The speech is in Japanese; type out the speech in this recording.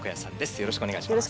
よろしくお願いします。